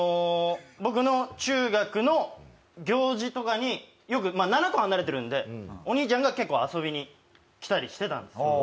僕の中学の行事とかに７個離れてるんでお兄ちゃんが結構遊びに来たりしてたんですよ。